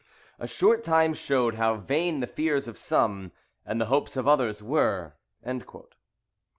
A short time showed how vain the fears of some, and the hopes of others were." [Bolingbroke, vol.